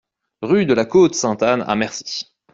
Rue de la Côte Sainte-Anne à Mercy